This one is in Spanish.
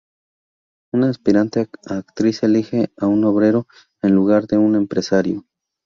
Una aspirante a actriz elige a un obrero en lugar de un empresario.